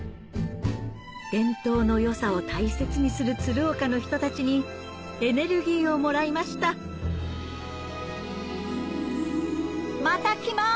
伝統の良さを大切にする鶴岡の人たちにエネルギーをもらいましたまた来ます！